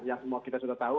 yang semua kita sudah tahu